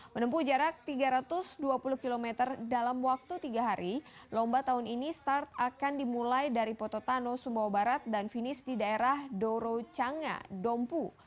menempuh jarak tiga ratus dua puluh km dalam waktu tiga hari lomba tahun ini start akan dimulai dari pototano sumbawa barat dan finish di daerah dorocanga dompu